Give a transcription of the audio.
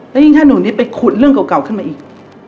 แล้วยิ่งถ้าหนูนิดไปขุดเรื่องเก่าขึ้นมาอีก